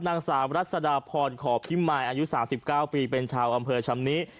นางสาวรัศดาพรขอบพิมายอายุ๓๙ปีเป็นชาวอำเภอชำนิ